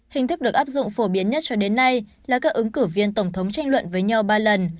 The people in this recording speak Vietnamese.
hình thức được áp dụng phổ biến nhất cho đến nay là các ứng cử viên tổng thống tranh luận với nhau ba lần